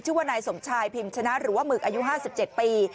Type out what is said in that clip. ชื่อว่านายสมชายพิมพ์ชนะหรือว่ามึกอายุห้าสิบเจ็ดปี